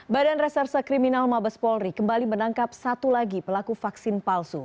badan reserse kriminal mabes polri kembali menangkap satu lagi pelaku vaksin palsu